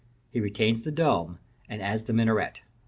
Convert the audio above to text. He retains the dome, and adds the minaret.